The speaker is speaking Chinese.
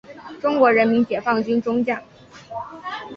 中国人民解放军中将。